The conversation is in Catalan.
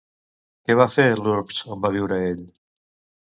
Què va fer l'urbs on va viure ell?